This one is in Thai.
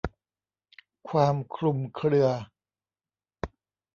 ความคลุมเครือ